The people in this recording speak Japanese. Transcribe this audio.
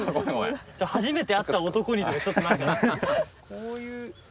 「初めて会った男に」とかちょっと何か。